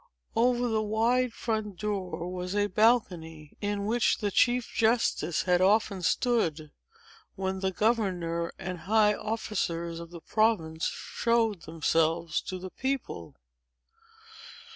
Over the wide front door was a balcony, in which the chief justice had often stood, when the governor and high officers of the province showed themselves to the people.